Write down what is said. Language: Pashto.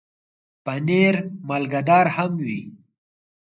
پنېر مالګهدار هم وي.